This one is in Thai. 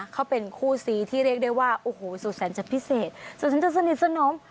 เขาเป็นคู่ซีที่เรียกได้ว่าโอ้โหสุดแสนจะพิเศษสุดแสนจะสนิทสนม